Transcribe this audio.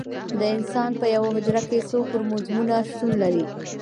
د انسان په یوه حجره کې څو کروموزومونه شتون لري